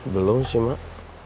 belum sih emak